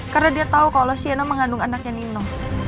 karena dia tau kalau sienna mengandung anaknya nino